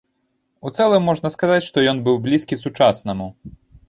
У цэлым можна сказаць, што ён быў блізкі сучаснаму.